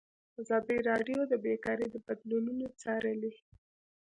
ازادي راډیو د بیکاري بدلونونه څارلي.